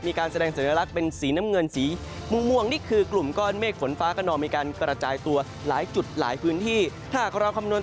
มีการแสดงเสนอลักษณ์เป็นสีน้ำเงินสีมูงนี่คือกลุ่มก้อนเมฆฝนฟ้ากระนอม